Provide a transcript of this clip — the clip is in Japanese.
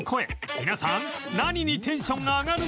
皆さん何にテンションが上がるのか？